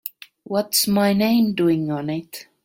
What's my name doing on it?